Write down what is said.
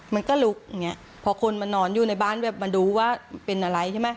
มันก็ลุกอย่างเงี้พอคนมานอนอยู่ในบ้านแบบมาดูว่าเป็นอะไรใช่ไหม